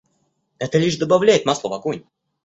Это лишь добавляет масла в огонь.